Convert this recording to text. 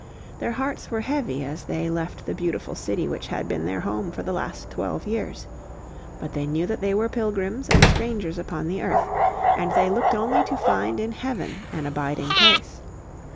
Their hearts were heavy as they left the beautiful city which had been their home for the last twelve years. But they knew that they were pilgrims and strangers upon the earth, and they looked only to find in heaven an abiding place.